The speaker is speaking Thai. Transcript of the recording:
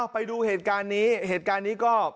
ไปดูเหตุการณ์นี้